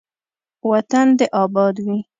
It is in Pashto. وطن دې اباد وي.